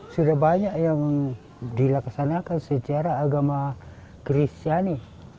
sudah banyak yang dilaksanakan secara agama kristiani